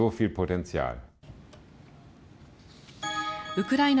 ウクライナ